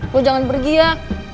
lo jangan pergi ya